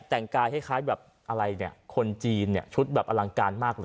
แต่งกายคล้ายแบบอะไรเนี่ยคนจีนเนี่ยชุดแบบอลังการมากเลย